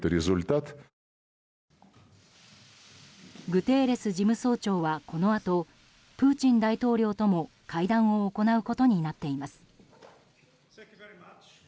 グテーレス事務総長はこのあとプーチン大統領とも会談を行うことになっています。